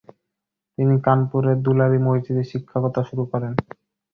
তিনি কানপুরের দুলারি মসজিদে শিক্ষকতা শুরু করেন।